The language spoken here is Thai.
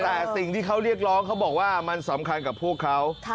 แต่สิ่งที่เขาเรียกร้องเขาบอกว่ามันสำคัญกับพวกเขา